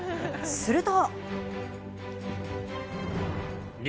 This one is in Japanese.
すると。